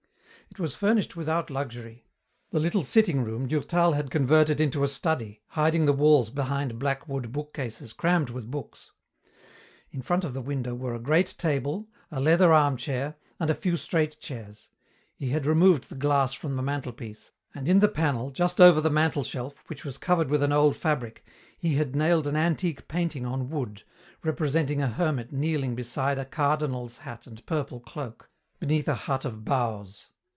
It was furnished without luxury. The little sitting room Durtal had converted into a study, hiding the walls behind black wood bookcases crammed with books. In front of the window were a great table, a leather armchair, and a few straight chairs. He had removed the glass from the mantelpiece, and in the panel, just over the mantelshelf, which was covered with an old fabric, he had nailed an antique painting on wood, representing a hermit kneeling beside a cardinal's hat and purple cloak, beneath a hut of boughs.